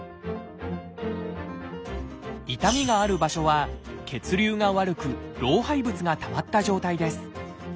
痛みがある場所は血流が悪く老廃物がたまった状態です。